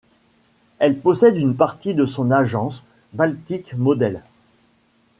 Elle possède une partie de son agence, Baltic Models.